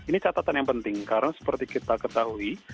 ini catatan yang penting karena seperti kita ketahui